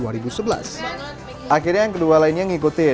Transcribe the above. akhirnya yang kedua lainnya mengikuti